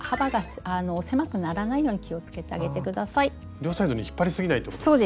両サイドに引っ張りすぎないということですね。